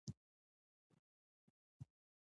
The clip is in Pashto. ځوانان د خپل دین او وطن د ساتنې لپاره هڅه کوي.